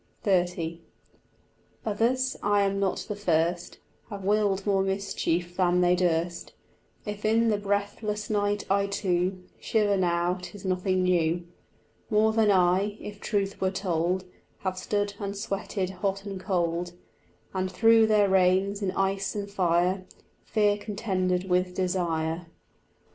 XXX Others, I am not the first, Have willed more mischief than they durst: If in the breathless night I too Shiver now, 'tis nothing new. More than I, if truth were told, Have stood and sweated hot and cold, And through their reins in ice and fire Fear contended with desire.